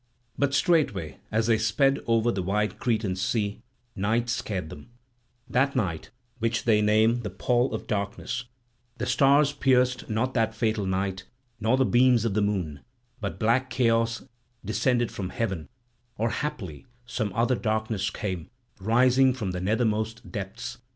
But straightway as they sped over the wide Cretan sea night scared them, that night which they name the Pall of Darkness; the stars pierced not that fatal night nor the beams of the moon, but black chaos descended from heaven, or haply some other darkness came, rising from the nethermost depths.